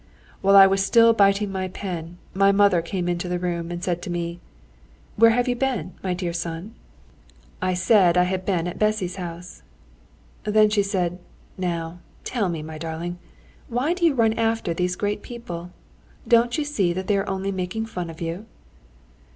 While I was still biting my pen, my mother came into the room, and said to me: "Where have you been, my dear son?" I said I had been at Bessy's house. Then she said: "Now, tell me, my darling, why do you run after these great people? Don't you see that they are only making fun of you?"